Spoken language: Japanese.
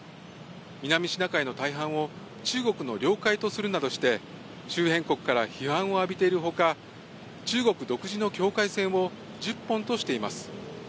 南シナ海の大半を中国の領海とするなどして、周辺国から批判を浴びているほか、中国独自の境界線を１０本としています。